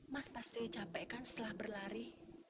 mas pasti capek kan setelah berlari